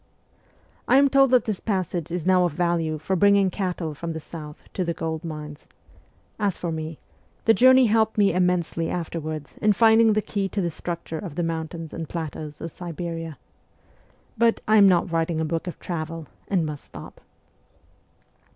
I am told that this passage is now of value for bringing cattle from the south to the gold mines ; as for me, the journey helped me immensely afterwards in finding the key to the structure of the mountains and plateaus of Siberia but I am not writing a book of travel, and must stop.